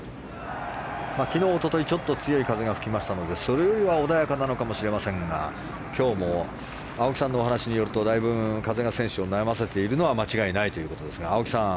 昨日、一昨日ちょっと強い風が吹きましたのでそれよりは穏やかなのかもしれませんが今日も青木さんのお話によるとだいぶ、風が選手を悩ませているのは間違いないということですが青木さん